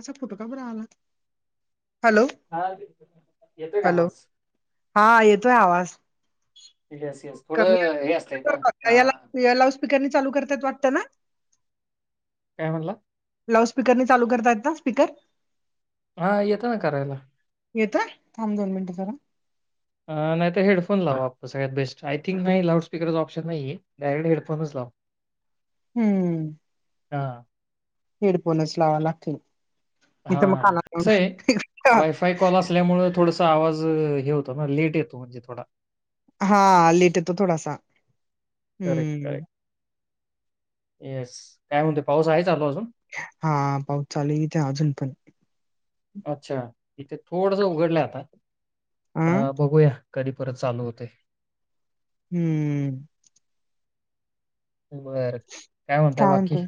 असा फोटो का बर आलात हॅलो हा येतोय का हॅलो आवाज? हा येतोय आवाज येस येस कमी थोडं हे असतंय ना अ आवाज येतोय [unintelligible] या लावडस्पीकरनी चालू करतेय वाटन काय म्हणलात लाउड स्पीकर नि चालू करतायेत ना स्पीकर हा येतं ना करायला येताय थांब दोन मिनिट जरा अ नाही तर हेडफोन लावा सगळ्यात बेस्ट आय थिंक नाही लाउडस्पकरच ऑप्शन नाही आहे डायरेक्ट हेडफोनच लाव [inaudible] हम्म हेड फोणनच लावा लागतील हा इथं मग काना कस आहे वायफाय कॉल असल्यामुळे थोड आता आवाज हे होता ना लेट येतो म्हणजे थोडा हा आ लेट येतो थोडासा हम्म ऐस काय म्हणतो पाऊस आहे चालू अजून... हा पाऊस चालू इथे अजून पण.. अच्छा इथे थोडस उघडलं आता आ अ बघूया... कधी परत चालू होतेय. हम्म बरं. म्हणताय काय बाकी? म्हणतो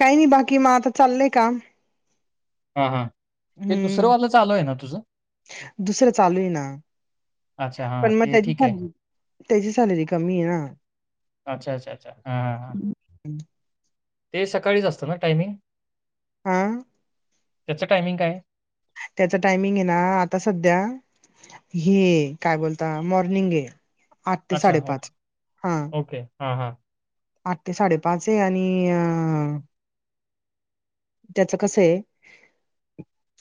काही नाही बाकी म आता चाललंय काम... हा हा... हं, दुसरं चालूय ना? अच्छा, पण हां, मग ते त्याची ठीक आहे. सॅलरी, त्याची सॅलरी कमी आहे ना? अच्छा, अच्छा, अच्छा, हां हां हां.. ना ते सकाळीच असतं ना टायमिंग? हं त्याच टायमिंग काय? त्याचं टायमिंग आहे ना, आता सध्या, हे काय बोलता मॉर्निंग हे. आठ ते अच्छा, ओ साडेपाच.. हं. ओके. हां हां आठ ते साडेपाच आहे आणि अं.. त्याच कसं आहे?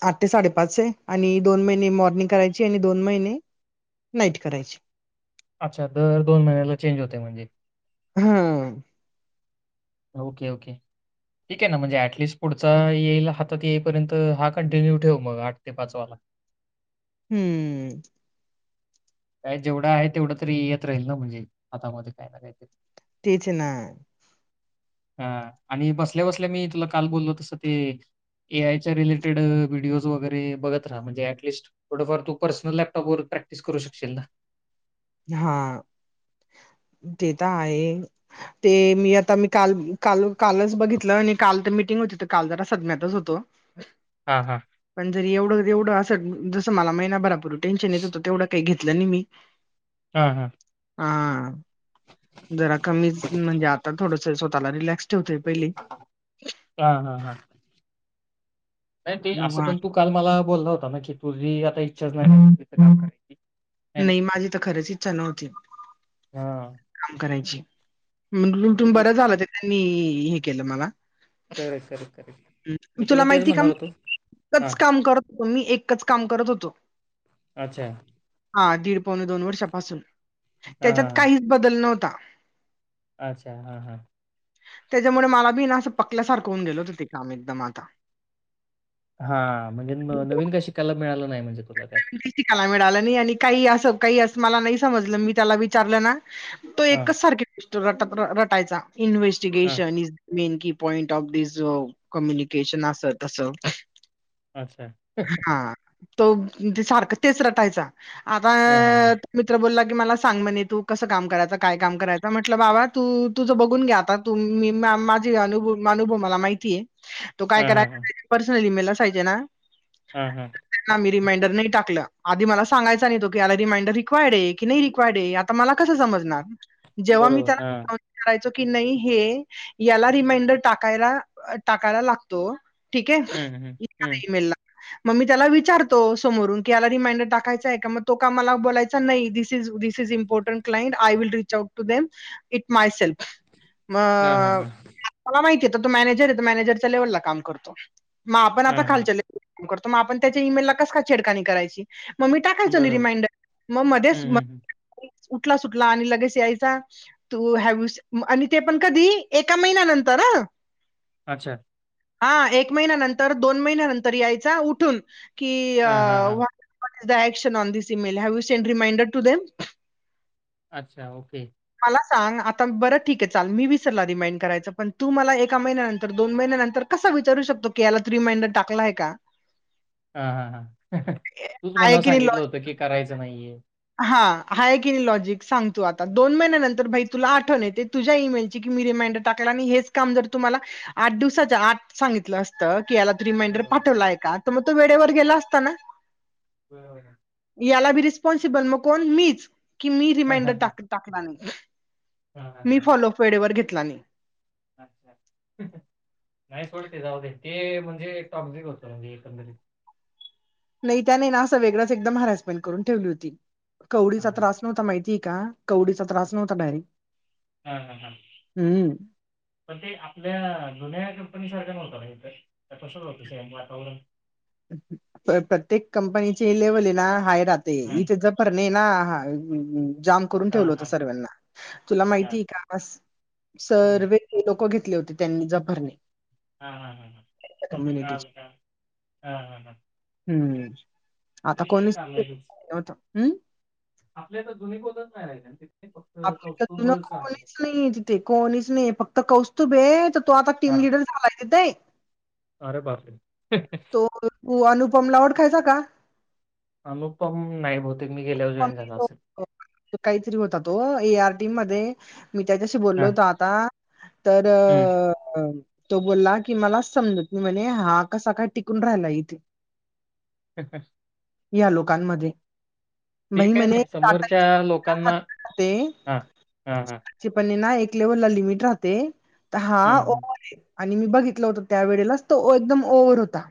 आठ ते साडेपाच आहे आणि दोन महिने मॉर्निंग करायची आणि दोन महिने.. नाईट करायची. अच्छा, दर दोन महिन्याला चेंज होते म्हणजे? हं. Okay, okay. ठीक आहे ना म्हणजे ऍटलिस्ट पुढचा येईल हातात येईपर्यंत हा कंटिन्यू ठेव मग आठ ते पाच वाला. [inaudible] हंम्म काय जेवढं आहे तेवढं तरी येत राहील ना, म्हणजे हातामध्ये काही ना काहीतरी. तेच ना. हां आणि बसल्या-बसल्या मी तुला काल बोललो तसं ते... ए आयच्या रिलेटेड व्हिडिओज वगैरे बघत राहा म्हणजे ऍटलीस्ट थोडफार तू पर्सनल लॅपटॉप वर.. प्रॅक्टिस करू शकशील ना? हां [unintelligible] ते तर आहे, ते मी आता मी काल- कालच बघितलं आणि काल तर मीटिंग.. काल जरा सदम्यात होतो, हां, हां. पण जर एवढं तेवढं असं जसं मला महिना भरापूर्वी टेन्शन येत होतं तेवढं काही घेतलं नाही मी.... हं हं हां जरा कमीच म्हणजे आता थोडंसं स्वतःला रिलॅक्स... ठेवतोय पहिले हां हां हां नाही ते मग असं हा पण तू काल मला बोलला होता ना? की तुझी आता इच्छाच नाही काही... नाही माझी तर खरंच इच्छा नव्हती. हां. काम करायची तर ते म्हणुन एक बर झालं ते त्यांनी हे केलं मला. Correct, correct, correct. मी तुला तेच माहिती का म्हणणार होतो. एकच हां, काम करत होतो मी, एकच काम करत होतो. अच्छा. हा दीड पावणे दोन वर्षापासून हां, हां, त्याच्यात हां. काहीच बदल नव्हता. अच्छा हा, हा. त्याच्यामुळे मला बी ना असं पकल्यासारखं होऊन गेलं होतं ते काम एकदम आता. हां, म्हणजे नवीन काय शिकायला मिळालं नाही म्हणजे? तुला त्यात. शिकायला मिळालं नाही आणि काही असं काही असं मला नाही समजलं मी त्याला विचारलं ना... तो हां, एकच सारखे पुस्तक रट रटायचा हां. Investigation is main key point of these communication असं-तसं. अच्छा हं हं.. तो सारखं तेच रटायचा, आता हां, हां, हां. मित्र बोलला की की मला सांग म्हने तु कसं काम करायचं? काय काम करायचं म्हटलं बाबा तू तुझं बघून घे आता तु मी माझे अनु.. अनुभव मला माहिती आहे. तो काय हां, हां, करायचा पर्सनली मेल असायचे ना? ह त्यांना मी ह नाही आ मला सांगायं नाहीला रिमाइंडर रिक्र्ड आहे की नाही रिक्र्ड आहे आता मला कसं समणार जेव्हा मी बरोबर. हां. त्याला करायचो कि नाही हे याला रिमाइंडर टाकायला टाकायला लागतो ठीक आहे हं, हं, हं. नाही मल मग मी त्याला विचारते तो समोरून किला रिमाइंडर टाकायचा आहे का मग तो कामला बलायचा नाही this is this important client I will reach out to them it myself हां, हां, मग हां. मला माहिती आहेेत तो मॅनेजर आहे त मॅनेजरच्या लेव्हलला काम करतो मग आपण आता हां, हां. खालच्या लेवल ला काम करतो मग आपण त्याच्या ईमेल ला कस का छडकानी करायची मग मी टाकायचं नाही बरोबर. रिमाइंडर मग हं, मध्येच हं, हं. उठला सुटला आणि लगेच यायचा तू हॅ आणि ते पण कधी एका महिन्यानंतर [unintelligible] अच्छा हा एक महिन्यानंतर दोन महिन्यानंतर यायचा उठून कि हां, हां, हां. ज दक्श on this email have you sent reminder to them अच्छा ओके मला सांग आता बरं ठीक आहे चाल मी विसरला रिमाइंड करायचं पण तू मला एका महिन्यानंतर दोन महिन्यांतर कस विचारू शतो की याला तर रिमाइंडर टाकलाय का हा हा ह तूच आहे मना की नाही लॉ सांगितलं होतं की करायचं नाहीये हय कि नाही लॉजिक सांगतू आता दोन महिन्या नंतर भाई तुला आठव येते तुझ्या ईमेलची की मी रिमाइंडर टाकायला हे काम जर तुम्हाला आठ दिवसा आ सांगितलं असत याला रिमाइंडर बरोबर, पाठवलाय का तर मग तो वेळेवर गेला असताना हो [inaudible] याला बी रिस्पॉन्सिबल मग कोण मीच की मी हां, हां, रिमाइंडरा हां. टाकला नाही हां, हां, मी हां. फॉलोप वेळेवर घेतला नाही अच्छा नाही सोडते जाऊद ते म्हणजे एक टझिक होतो म्हणजे एकंदरीत नाही त्या नाही ना असं वेगळंच एकदम हॅरसमेंट करून ठेवली होती हां, कवडीचा हां. त्रास नव्हता माहिती का? कवडीचा त्रास नव्हता डारी हां, हां, हां. हम्म पण ते आपल्या जुन्या कंपनी सार [unintelligible] प्रत्येक कंपनीचे लेवल आहे ना हाय राहते हां, इथे जणे ना हा जाम करून हां, ठेवलं होत हां. सर्व्यांना तुला अच्छा. माहिती का हां, सर्व लोक घ ले होते त्यांनी ज भरणे हा हा हा हा क काल का हा हा हा [inaudible] हम्म आता कोणी चालवायचंच. होत हम् आपल्या तर जुन बोलच नाही राहि आप तुून कोणीच नाही तिथे कोणीच नाही फक्त कौस्तुभ आहे तू आता टीम हां. लिडर झालाय ते ते अरे पा हो अनुपम लावड खायचा का अनुपम नाही बत काहीतरी होता तो ए आरटी मध्ये मी त्याच्याशी बोललो हा होतो आता तर हम्म अ तो बोलला की मला समजत नाही म्हणजे हा कसा का टिकून राहिला इथे. या लोकांमध्ये ते भाई काय म्हणे नाही समोरच्या लोकांना हा हा हा तटाचे पनणे ना एक ले लिमिट राहते तर हा हम्म ओ हम्म. आहे. आणि मी बघितलं होत त्या वेळेलाच तो एकदम ओव्हर होता.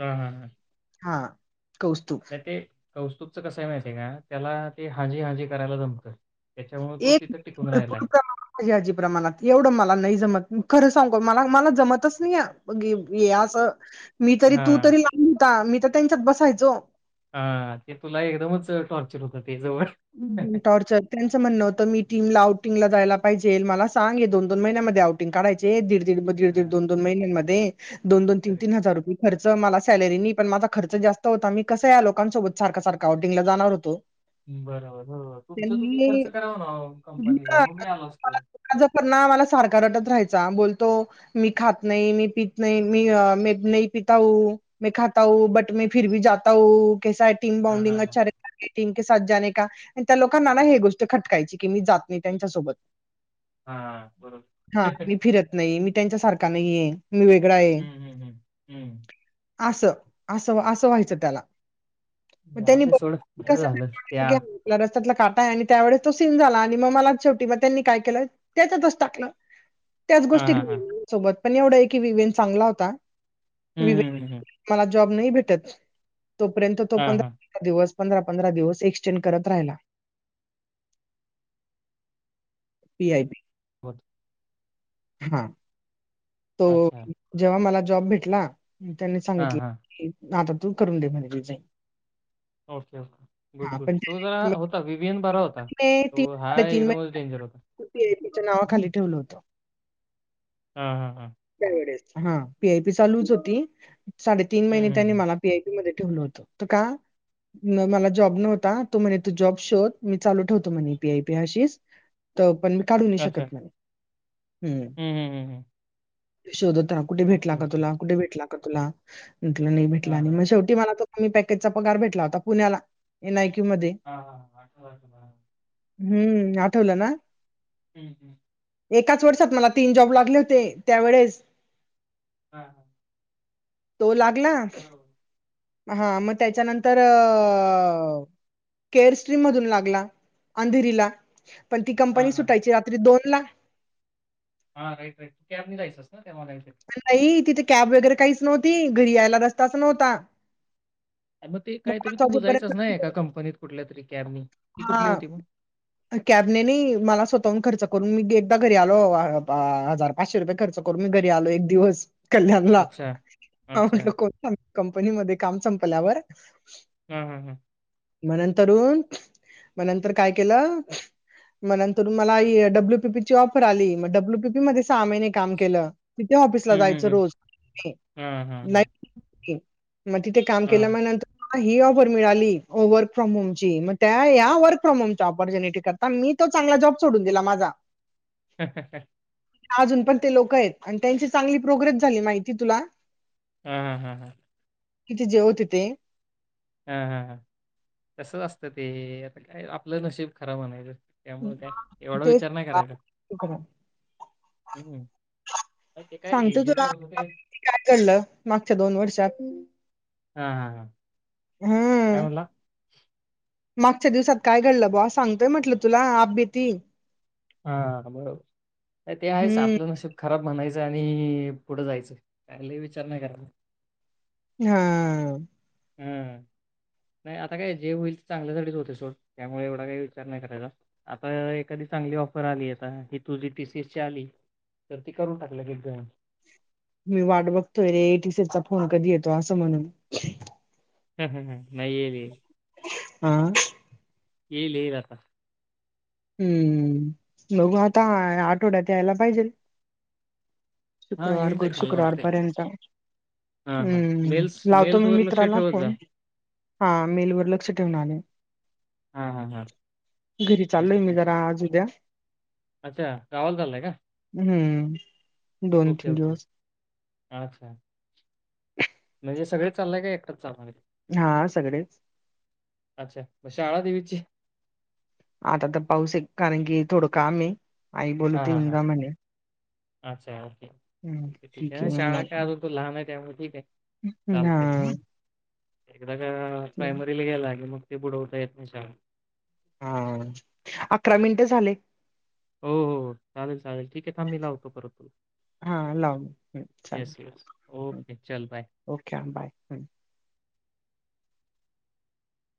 हा, हा, हा हा कौस्तुभ नाही ते कौस्तुभचं कसंय माहितीय का त्याला ते हाजी हाजी, करायला, जमत एक भरपूर प्रमाणात भाजी प्रमाणात एवढं मला नाही जमत खरं सांगू का मला हे जमतच नाहीये हे असं मी तरी हा तू तर लांब होता मी तरी त्यांच्यात बसायचो. हा ते तुला एकदमच टॉर्चर होत. टॉर्चर त्यांचं म्हणणं होतं मी टीमला आउटिंगला जायला. पाहिजेल मला सांग हे दोन दोन महिन्यांमध्ये औटींग करायचे दीड दीड दीड हा दोन दोन महिन्यांमध्ये दोन दोन तीन तीन हजार रुपये खर्च मला सॅलरी नाही पण माझा खर्च जास्त होता मी कसं या लोकांसोबत सारख सारख आऊटिगला जाणार होतो. ् बरोबर तुमचं तुम्ही त्यांनी खर्च करा मग मी आलो असतो. माझं पण ना मला सारखा रडत राहील. जांब बोलतो मी खात नाही मी पीत नाही मी नाही पिता हु मै खाता हु. ओबट फिर भी जाता हूँ वो कैसा है टीम हा बोर्डिंग हा हा अच्छा रहता है बेटिंग के साथ जाने का त्या लोकांना ना हे गोष्ट खटकायची की मी जात नाही त्यांच्यासोबत हा बरोबर हा मी फिरत नाही मी त्यांच्या सारखा नाही हे. मी वेगळा आहे हम्म हम्म हम्म हम्म असं असं व्हायचं त्याला जाऊ ते सोडं बरं झालं, ते घ्या बरं. त्यातला काटला आणि त्यावेळी तो सीन झाला आणि मग मला शेवटी त्यांनी काय केलं त्याच्यातच टाकलं. त्याच हा गोष्टी हा हा सोबत पण एवढं आहे की विवेन चांगला होता. हम्म हम्म हम्म, हम्म. विवेन मला जॉब नाही भेटत तोपर्यंत तो पंधरा हा पंधरा हा पंधरा दिवस पंधरा पंधरा दिवस यष्ट्रा चैन करत राहिला. पी आय पी बट हा तो अच्छा जेव्हा मला जॉब भेटला. त्यांनी हा हा सांगितलं आता तू करून दे म्हणे रिझाईन ओके गुड गुड तो जरा त्याने मग होता विवेन बरा होता तिने हा एकदमच महिने डेंजर होता. पी-आय-बीच्या नावाखाली ठेवलं होतं हा हा हां त्यावेळेस हा पी आय पी चालूच होती साडेतीन महिने हम्म हम्म त्यांनी हम्म. मला पी आय पी मध्ये, ठेवल होत का. मला जॉब नव्हता तो म्हणे तू जॉब शोध मी चालू ठेवतो म्हणे पी आय पी अशीच तो पण मी काढू नाही अच्छा शकत नाही ह हम्म हम्म हम्म हम्म. शोधत रहा कुठे भेटला ओके का ओके तुला कुठे भेटला का तुला म्हटलं नाही भेटलं हा आणि हा मग शेवटी मला तो फुल पॅकेजचा भेटला होता पुण्याला मी नाही घेतला हा हा हा पाठव बरं हुं, हु आठवलं ना ह एकाच वर्षात मला तीन जॉब लागले होते त्यावेळेस हा तो लागला बरोबर हा मग त्याच्यानंतर अअ ‌ केअर ट्री मधून अंधेरीला पण ती हा कंपनी हा हा सुटायची रात्रीची दोन ला हा राईट राईट कॅब नी जायचास ना तेव्हा नाही ते काय बाई तिथे कॅब वगैरे काहीच नव्हती घरी यायला रस्ताच नव्हता मग काहीतरी वाजेपर्यंत घुसायचे एका कंपनीमध्ये कुठल्यातरी कॅप नी हा कॅबनेे नाही मला स्वतःहून खर्च [inaudible] करून मी एकदा घरी आलो हजार पाचशे रुपये खर्च करून मी घरी आलो एक दिवस [unintelligible] कल्याणला अच्छा अच्छा म्हटल कोण कंपनी मध्ये काम संपल्यावर हम् हम्म हम् म तरुण मंतर काय केलं मगंतर मला डब्ल्यू पीपीची ऑफर आली मग डब्ल्यू पीपी मध्ये सहा महिने काम केलं तिथे ऑफिसला हम्म हम्म जायचं हम्म रोज हां, हां, हां, मग तिथे काम केल्या हां. मग नंतर मला ही ऑफर मिळाली वर्क फ्रॉम होम ची मग त्या या्या वर्क फ्रॉम होमच्या ऑपॉर्च्युनिटी करता मी तो चांगला जॉब सोडून दिला माझा हम ह ह [unintelligible] अजून पण ते लोक आहेत आणि त्यांची चांगली प्रोग्रेस झाली माहिती तुला हम्म हम हम् हम किती जेवतेि ते हा हा तसच असतं ते आता काय आपलं नशीब खरा म्हणायचं त्यामुळे काय एवढा तेच विचार नाही करायचा हम् सांगतो तुला काय कडलं मागच्या दोन वर्षात हा हा हा काय हं. म्हणला मागच्या दिवसात काय घडलं बावा सांगतोय म्हटलं तुला आपभीती हा बरोबर ते आहेच हं. आपलं नसेब खराब म्हणायचं आणि पुढं जायचं काला विचार नाही करा हा [inaudible] हम्म [inaudible] नाही आता काय जे होईल ते चांगल्यासाठीच होते सोड त्यामुळे एवढा काही विचार नाही करायचा आता एखादी चगलीऑ आली आता ही तुझी टीसी एस ची आली तर ती करून टाकलं ग मी वाट बघतोय रे एटी सीचा फोन कधी येतो असं म्हणून हम् हम ह नाही येर हं [unintelligible] ये ल राहता हम्म बघ आता आठवड्यात यायला पाहिजे हां शुक्रवार येऊन गुड जाईल मला शुक्रवार वाटतंय. पर्यंत हां, हां. हम्म मेल्स लावतो मी मेल्सवर लक्ष मित्राला ठेवत जा. फोन हा मेलवर लक्ष ठेवून आले हम् हम् हम् घरी चालोय मी जराज उद्या अच्छा गावाला चाललाय का? हम्म दोन ओके, तीन ओके. दिवस अच्छा [inaudible] णे सग चालय एकच चाणार हा सगळेच मशाळा देवीश ची आता तर पाऊस आहे कारण की थोडं काम आहे आई हां, बोलते हां, हां. हंगा म्हणे अच्छा ओकेठी हम्म, आहे ठीक आहे ना येऊन शाळा काय जातो अजून तो लहान आहे त्या हा का प्रायमरीला गेला की मग ते बुडवता येत नाही शाळा हा अकरा मिनिटे झाले हो हो चालेल चालेल ठीक आहे थां मी लावतो परत हाव चाले येस, येस. ओके. चल बाय. Okay bye